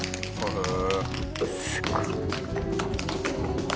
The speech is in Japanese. へえ。